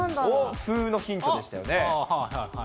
風のヒントですよね。